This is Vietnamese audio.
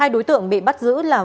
hai đối tượng bị bắt giữ là